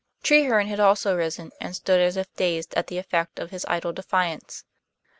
Treherne had also risen, and stood as if dazed at the effect of his idle defiance.